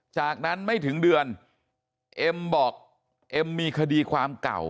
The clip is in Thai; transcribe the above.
จากนั้นไม่ถึงเดือนเอ็มบอกเอ็มมีคดีความเก่า